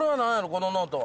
このノートは。